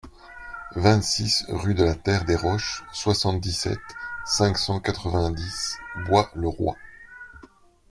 vingt-six rue de la Terre des Roches, soixante-dix-sept, cinq cent quatre-vingt-dix, Bois-le-Roi